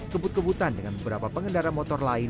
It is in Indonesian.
kebut kebutan dengan beberapa pengendara motor lain